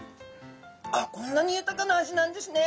こんなに豊かな味なんですね。